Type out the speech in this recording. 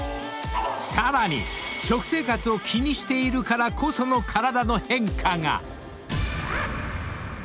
［さらに食生活を気にしているからこその体の変化が］